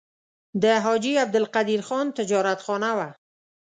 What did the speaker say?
د حاجي عبدالقدیر خان تجارتخانه وه.